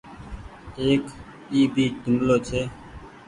ايڪ اي ڀي جملو ڇي